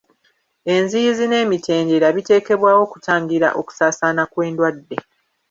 Enziyiza n'emitendera biteekebwawo okutangira okusaasaana kw'endwadde.